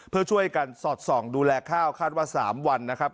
เพื่อช่วยกันสอดส่องดูแลข้าวคาดว่า๓วันนะครับ